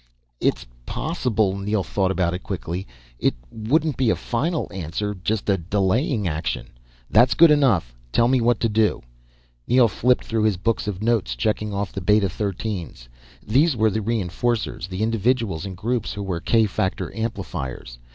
"It's possible." Neel thought about it, quickly. "It wouldn't be a final answer, just a delaying action." "That's good enough. Tell me what to do." Neel flipped through his books of notes, checking off the Beta 13's. These were the reinforcers, the individuals and groups who were k factor amplifiers.